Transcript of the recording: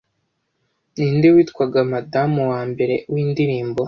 Ninde witwaga Madamu wa mbere windirimbo